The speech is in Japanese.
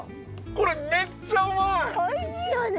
これめっちゃうまい！おいしいよね。